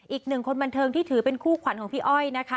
อีกหนึ่งคนบันเทิงที่ถือเป็นคู่ขวัญของพี่อ้อยนะคะ